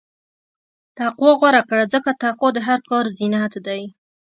تقوی غوره کړه، ځکه تقوی د هر کار زینت دی.